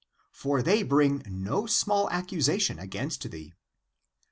for they bring no small ac cusation against thee."